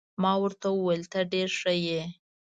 ما ورته وویل: ته ډېر ښه يې.